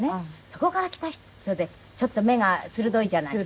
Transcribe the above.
そこから来た人でちょっと目が鋭いじゃない。